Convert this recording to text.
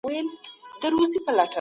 ایا ډیپسیک به بازار بدل کړي؟